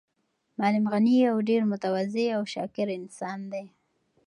معلم غني یو ډېر متواضع او شاکر انسان دی.